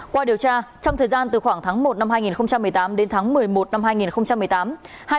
qua điều tra trong thời gian từ khoảng tháng một năm hai nghìn một mươi tám đến tháng một mươi một năm hai nghìn một mươi tám